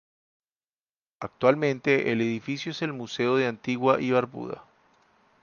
Actualmente el edificio es el Museo de Antigua y Barbuda.